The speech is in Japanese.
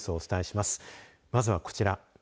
まずは、こちら。